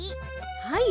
はい。